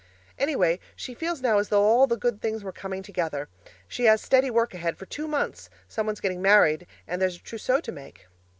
Anyway, she feels now as though all the good things were coming together. She has steady work ahead for two months someone's getting married, and there's a trousseau to make.